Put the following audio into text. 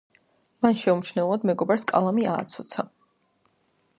მან შეუმჩნევლად მეგობარს კალამი ააცოცა.